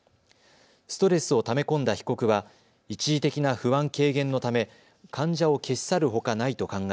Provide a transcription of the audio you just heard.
ストレスをため込んだ被告は一時的な不安軽減のため患者を消し去るほかないと考え